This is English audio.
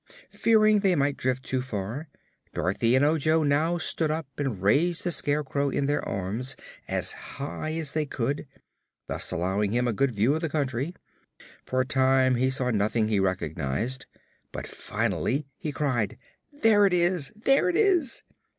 Fearing they might drift too far, Dorothy and Ojo now stood up and raised the Scarecrow in their arms, as high as they could, thus allowing him a good view of the country. For a time he saw nothing he recognized, but finally he cried: "There it is! There it is!"